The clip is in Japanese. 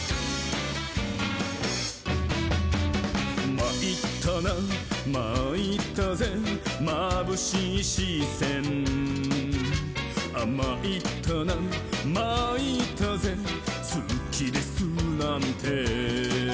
「まいったなまいったぜまぶしいしせん」「まいったなまいったぜすきですなんて」